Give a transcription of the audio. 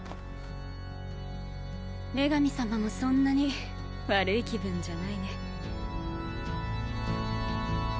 女神様もそんなに悪い気分じゃないね。